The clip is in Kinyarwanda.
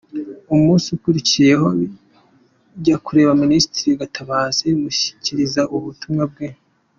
Umunsi ukurikiyeho njya kureba Ministre Gatabazi mushyikiriza ubutumwa bwe.